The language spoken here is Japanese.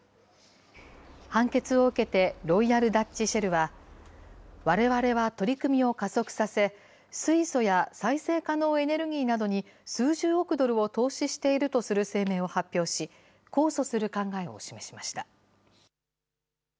判決を受けて、ロイヤル・ダッチ・シェルは、われわれは取り組みを加速させ、水素や再生可能エネルギーなどに数十億ドルを投資しているとする声明を発表し、控訴する考えを示しました。